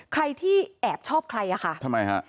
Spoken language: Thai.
ใครที่แอบชอบใครอ่ะค่ะทำไมฮะ